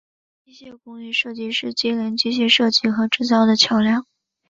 机械工艺设计是连接机械设计和制造的桥梁。